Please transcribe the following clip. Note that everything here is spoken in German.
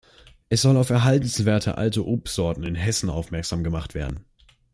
Es soll auf erhaltenswerte alte Obstsorten in Hessen aufmerksam gemacht werden.